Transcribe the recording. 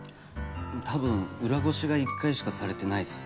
たぶん裏ごしが１回しかされてないっすね。